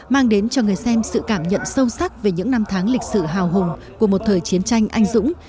mang đến cho người xem sự cảm nhận sâu sắc về những năm tháng lịch sử hào hùng của một thời chiến tranh anh dũng